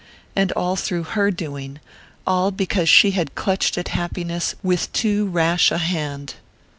And all through her doing all because she had clutched at happiness with too rash a hand!